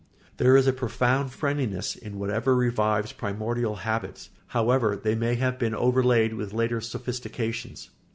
There is a profound friendliness in whatever revives primordial habits, however they may have been overlaid with later sophistications.